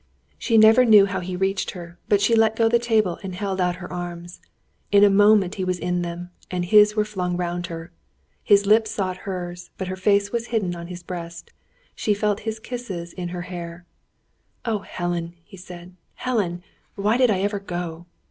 She never knew how he reached her; but she let go the table and held out her arms. In a moment he was in them, and his were flung around her. His lips sought hers, but her face was hidden on his breast. She felt his kisses in her hair. "Oh, Helen!" he said. "Helen! Why did I ever go!"